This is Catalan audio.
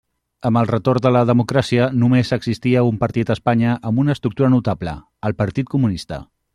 Amb el retorn de la democràcia, només existia un partit a Espanya amb una estructura notable: el Partit Comunista.